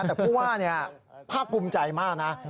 แต่พูดว่าเนี่ยภาพกลุ่มใจมากนะ